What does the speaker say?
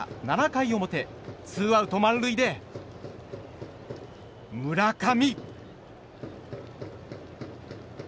７回表ツーアウト満塁で村上。